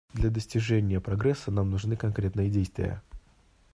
Для достижения прогресса нам нужны конкретные действия.